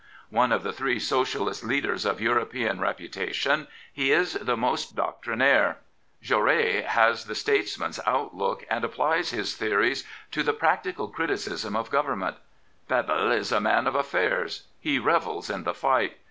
Of the three Socialist leaders of Europ^^ji t:^putar tion^ he is the most doctrflftire Taurus has the statesman's outlook, and applies his theories to the practical criticism of Government. B eb^ is a man of affairs. He revels in the fight.